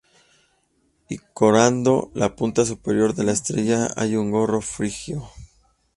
Y coronando la punta superior de la estrella hay un gorro frigio.